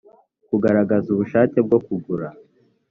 kugaragaza ubushake bwo kugura